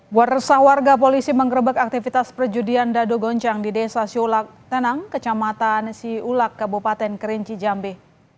buat resah warga polisi mengerebek aktivitas perjudian dado goncang di desa siulak tenang kecamatan siulak kabupaten kerinci jambi